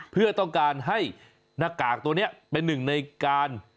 เพื่อต้องการให้หน้ากากตัวนี้เป็นหนึ่งในการ